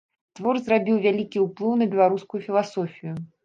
Твор зрабіў вялікі ўплыў на беларускую філасофію.